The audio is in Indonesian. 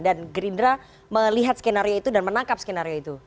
dan gerindra melihat skenario itu dan menangkap skenario itu